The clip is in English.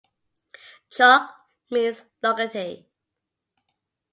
"Chowk" means "locality".